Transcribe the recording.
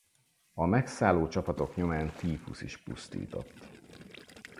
A megszálló csapatok nyomán tífusz is pusztított.